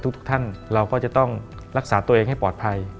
ทุกท่านเราก็จะต้องรักษาตัวเองให้ปลอดภัย